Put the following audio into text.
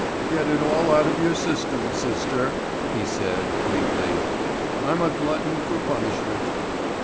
"Get it all out of your system, sister," he said, weakly. "I'm a glutton for punishment."